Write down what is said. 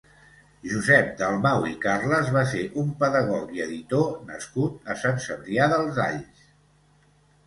Josep Dalmau i Carles va ser un pedagog i editor nascut a Sant Cebrià dels Alls.